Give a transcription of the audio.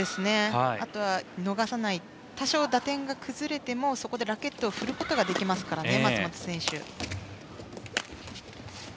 あとは、逃さない多少、打点が崩れてもそこでラケットを振れますからね。